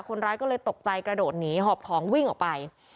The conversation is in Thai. คนร้ายก็เลยตกใจกระโดดหนีหอบของวิ่งออกไป